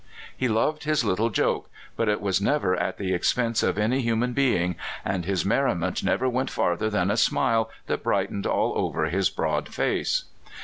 He loved his little joke, but it was never at the ex pense of any human being, and his merriment never went farther than a smile that brightened all over his broad face.